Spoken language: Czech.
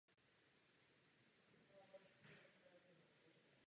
Její výtvarné práce jsou zaměřeny především na figurální plastiku a portrétní práce.